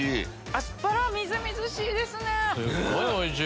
アスパラみずみずしい！